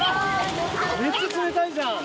めっちゃ冷たいじゃん。